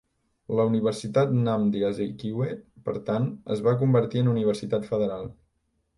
La Universitat Nnamdi Azikiwe, per tant, es va convertir en universitat federal.